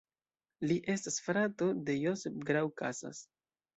Li estas frato de Josep Grau Casas.